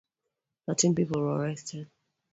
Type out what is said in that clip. Thirteen people were arrested.